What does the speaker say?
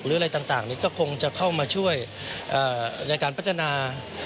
อะไรต่างนี้ก็คงจะเข้ามาช่วยในการพัฒนา